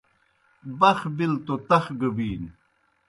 بخ بِلوْ توْ تخ گہ بِینوْ